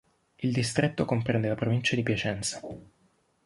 Il distretto comprende la provincia di Piacenza.